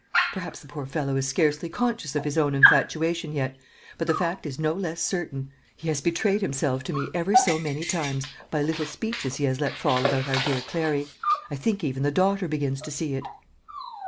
Perhaps the poor fellow is scarcely conscious of his own infatuation yet, but the fact is no less certain. He has betrayed himself to me ever so many times by little speeches he has let fall about our dear Clary. I think even the daughter begins to see it."